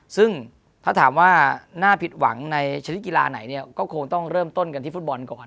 ซึ่งถ้าถามว่าน่าผิดหวังในชนิดกีฬาไหนเนี่ยก็คงต้องเริ่มต้นกันที่ฟุตบอลก่อน